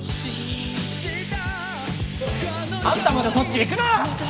あんたまでそっち行くな！